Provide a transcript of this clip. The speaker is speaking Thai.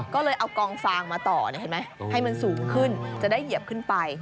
ก็เลยเอากองฟางมาต่อเห็นไหมให้มันสูงขึ้นจะได้เหยียบขึ้นไป